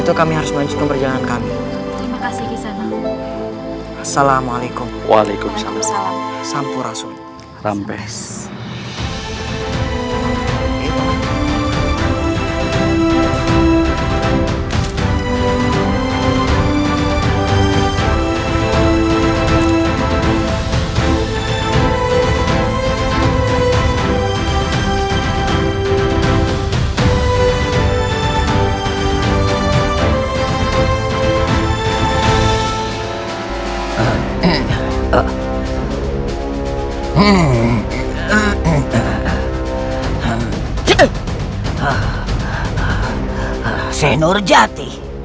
dia sudah kembali ke pajajaran